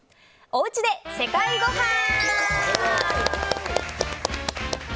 おうちで世界ごはん。